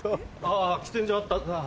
あ喫煙所あった。